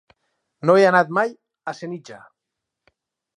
No he anat mai a Senija.